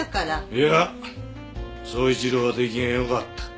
いや宗一郎は出来が良かった。